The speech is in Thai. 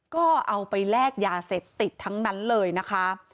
ก็เอาไปแลกยาเสพติดทั้งนั้นเลยนะคะ